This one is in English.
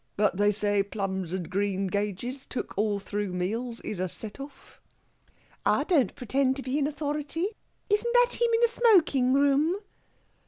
But they say plums and greengages, took all through meals, is a set off." "I don't pretend to be an authority. Isn't that him, in the smoking room?"